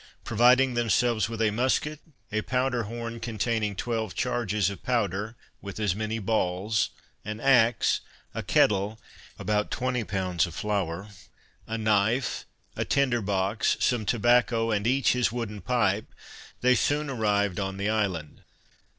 Providing themselves with a musket, a powder horn containing twelve charges of powder, with as many balls, an axe, a kettle, about twenty pounds of flour, a knife, a tinder box, some tobacco and each his wooden pipe, they soon arrived on the island.